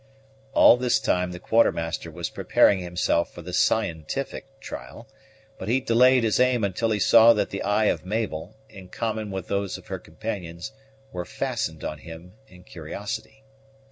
All this time the Quartermaster was preparing himself for the scientific trial; but he delayed his aim until he saw that the eye of Mabel, in common with those of her companions, was fastened on him in curiosity.